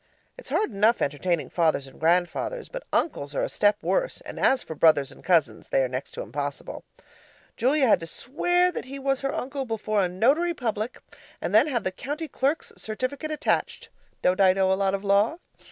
It's hard enough entertaining fathers and grandfathers, but uncles are a step worse; and as for brothers and cousins, they are next to impossible. Julia had to swear that he was her uncle before a notary public and then have the county clerk's certificate attached. (Don't I know a lot of law?)